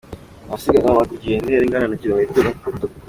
Abasiganwa bamaze kugenda intera ingana na kilometero .